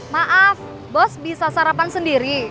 maaf bos bisa sarapan sendiri